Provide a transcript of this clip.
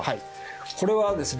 これはですね